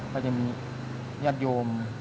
ก็จะมียัดโยม